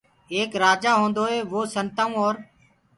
ايڪ رآجآ هونٚدو وو سنتآئوٚنٚ اورَ